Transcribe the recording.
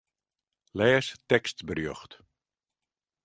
Lês tekstberjocht.